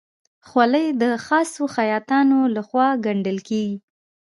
خولۍ د خاصو خیاطانو لهخوا ګنډل کېږي.